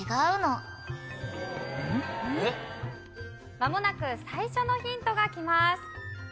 まもなく最初のヒントがきます。